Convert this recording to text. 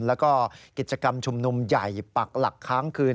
แล้วก็กิจกรรมชุมนุมใหญ่ปักหลักค้างคืน